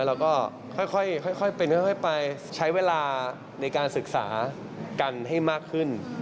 แล้วก็ค่อยเป็นค่อยไปใช้เวลาในการศึกษากันให้มากขึ้น